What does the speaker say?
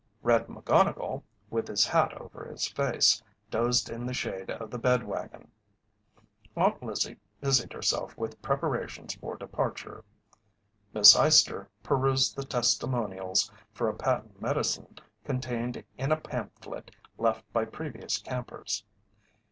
"Red" McGonnigle, with his hat over his face, dozed in the shade of the bed wagon. Aunt Lizzie busied herself with preparations for departure. Miss Eyester perused the testimonials for a patent medicine contained in a pamphlet left by previous campers.